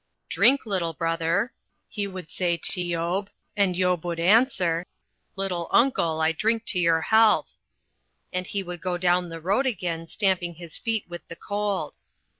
"Drink, little brother," he would say to Yob, and Yob would answer, "Little Uncle, I drink your health," and he would go down the road again, stamping his feet with the cold.